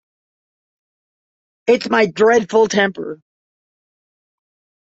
It's my dreadful temper!